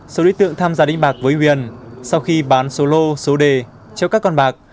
số đối tượng tham gia đánh bạc với huyền sau khi bán số lô số đề cho các con bạc